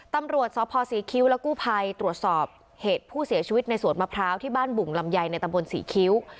ตำรวจสพศรีคิ้วและกู้ภัยตรวจสอบเหตุผู้เสียชีวิตในสวนมะพร้าวที่บ้านบุ่งลำไยในตำบลศรีคิ้ว